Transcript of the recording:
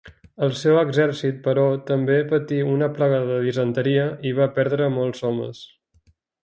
El seu exèrcit, però, també patí una plaga de disenteria i va perdre molts homes.